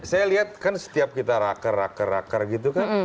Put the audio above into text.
saya lihat kan setiap kita raker raker raker gitu kan